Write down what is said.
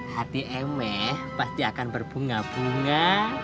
hati emeh pasti akan berbunga bunga